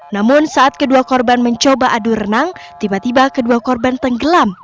namun saat kedua korban mencoba adu renang tiba tiba kedua korban tenggelam